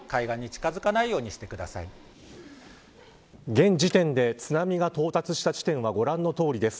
現時点で津波が到達した地点はご覧のとおりです。